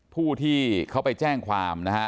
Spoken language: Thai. ผู้ที่เขาไปแจ้งความนะฮะ